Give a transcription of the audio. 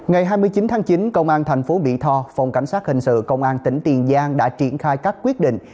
ngày hai mươi chín tháng chín công an thành phố mỹ tho phòng cảnh sát hình sự công an tỉnh tiền giang đã triển khai các quyết định